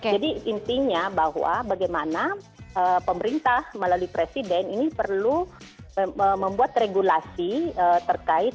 jadi intinya bahwa bagaimana pemerintah melalui presiden ini perlu membuat regulasi terkait